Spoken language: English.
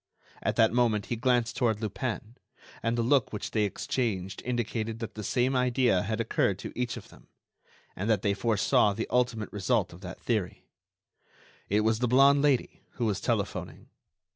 At that moment he glanced toward Lupin, and the look which they exchanged indicated that the same idea had occurred to each of them, and that they foresaw the ultimate result of that theory: it was the blonde Lady who was telephoning.